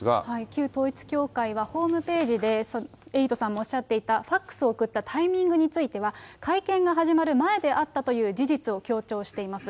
旧統一教会はホームページでエイトさんもおっしゃっていたファックスを送ったタイミングについては、会見が始まる前であったという事実を強調しています。